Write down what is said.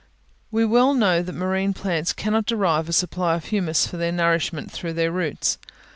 We well know that marine plants cannot derive a supply of humus for their nourishment through their roots.